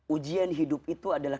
ujian hidup itu adalah